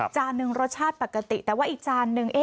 จานหนึ่งรสชาติปกติแต่ว่าอีกจานนึง